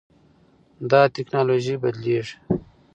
دا ټکنالوژي بدلېږي.